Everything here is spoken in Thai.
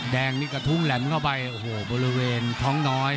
แดงนี่กระทุ้งแหลมเข้าไปโอ้โหบริเวณท้องน้อย